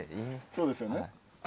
そうですよね。